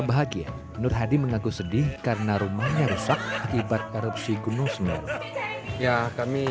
bahagia nur hadi mengaku sedih karena rumahnya rusak akibat erupsi gunung semeru ya kami